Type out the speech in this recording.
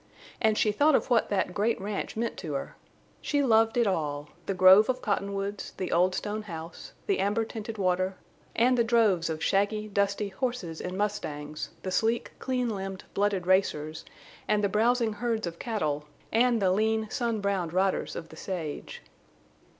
And she thought of what that great ranch meant to her. She loved it all—the grove of cottonwoods, the old stone house, the amber tinted water, and the droves of shaggy, dusty horses and mustangs, the sleek, clean limbed, blooded racers, and the browsing herds of cattle and the lean, sun browned riders of the sage.